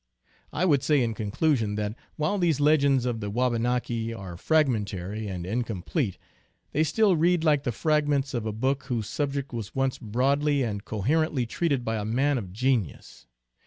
I would say in conclusion that, while these legends of the Wabanaki are fragmentary and incomplete, they still read like the fragments of a book whose subject was once broadly and coherently treated by a man of genius.